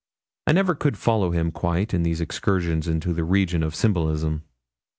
I never could follow him quite in these excursions into the region of symbolism.